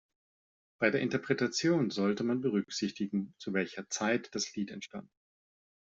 Bei der Interpretation sollte man berücksichtigen, zu welcher Zeit das Lied entstand.